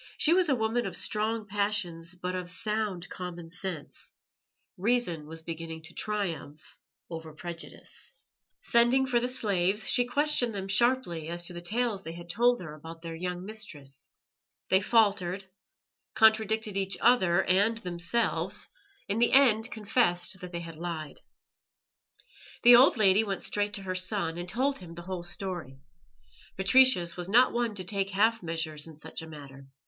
She was a woman of strong passions but of sound common sense; reason was beginning to triumph over prejudice. Sending for the slaves, she questioned them sharply as to the tales they had told her about their young mistress. They faltered, contradicted each other and themselves in the end confessed that they had lied. The old lady went straight to her son, and told him the whole story. Patricius was not one to take half measures in such a matter.